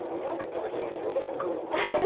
「お酒強そう」とか書いて。